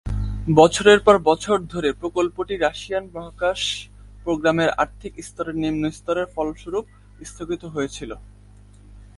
বছরের পর বছর ধরে, প্রকল্পটি রাশিয়ান মহাকাশ প্রোগ্রামের আর্থিক স্তরের নিম্ন স্তরের ফলস্বরূপ স্থগিত হয়েছিল।